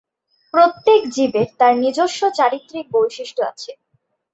প্রত্যেক জীবের তার নিজস্ব চারিত্রিক বৈশিষ্ট্য আছে।